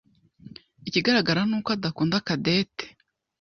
Ikigaragara ni uko adakunda Cadette.